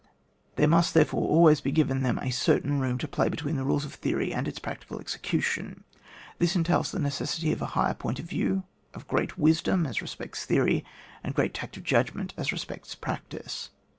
There must, therefore, always be given them a certain room to play between the rules of theory and its prac tical execution. This entails the neces sity of a higher point of view, of great wisdom as respects theory, and great tact of judgment as respects practice.